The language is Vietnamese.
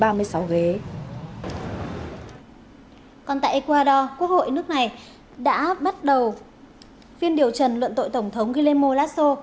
còn tại ecuador quốc hội nước này đã bắt đầu phiên điều trần luận tội tổng thống guillermo lasso